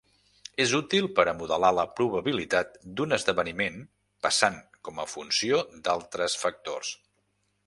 És útil per a modelar la probabilitat d'un esdeveniment passant com a funció d'altres factors.